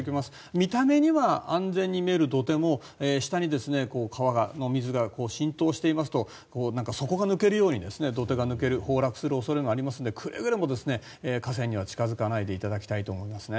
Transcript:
見た目には安全に見える土手も下に川の水が浸透していますと底が抜けるように土手が抜ける崩落する恐れがありますのでくれぐれも河川には近付かないでいただきたいと思います。